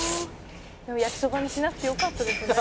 「でも焼きそばにしなくてよかったですね」